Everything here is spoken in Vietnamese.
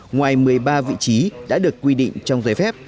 ngoài một mươi ba vị trí đã được quy định trong giấy phép